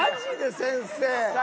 先生。